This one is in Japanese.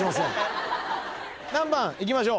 何番いきましょう？